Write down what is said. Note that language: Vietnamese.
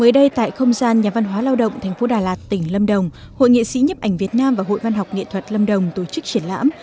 mới đây tại không gian nhà văn hóa lao động tp đà lạt tỉnh lâm đồng hội nghệ sĩ nhấp ảnh việt nam và hội văn học nghệ thuật lâm đồng tổ chức triển lãm